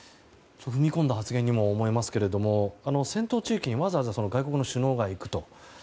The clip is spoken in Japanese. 踏み込んだ発言にも思えますけれども戦闘地域にわざわざ外国の首脳が行くと。